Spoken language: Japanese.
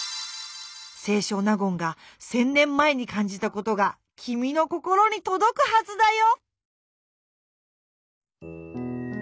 清少納言が１，０００年前にかんじたことがきみの心にとどくはずだよ。